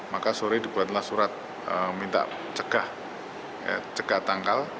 maka sore dibuatlah surat minta cegah tanggal